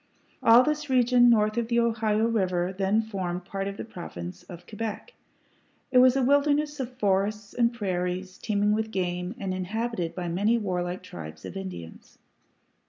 All this region north of the Ohio River then formed apart of the Province of Quebec. It was a wilderness of forests and prairies, teeming with game, and inhabited by many warlike tribes of Indians.